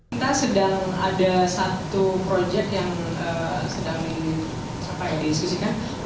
kita sedang ada satu proyek yang sedang disisikan